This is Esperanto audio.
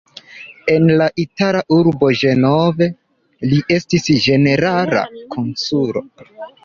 En la itala urbo Ĝenovo li estis ĝenerala konsulo.